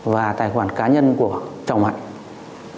và tài khoản cá nhân của chồng hạnh